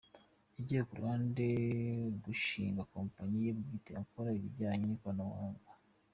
Yagiye ku ruhande gushinga kompanyi ye bwite ikora ibijyanye n’ikoranabuhanga.